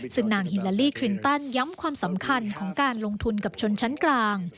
ซึ่งนางฮิลาลีคลินตันย้ำความสำคัญของการลงทุนกับชนชั้นกลาง